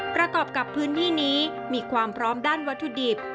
ประกอบกับพื้นที่นี้มีความพร้อมด้านวัตถุดิบ